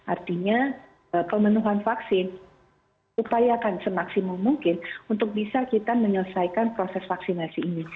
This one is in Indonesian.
artinya pemenuhan vaksin upayakan semaksimum mungkin untuk bisa kita menyelesaikan proses vaksinasi ini